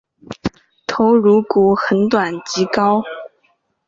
头颅骨很短及高。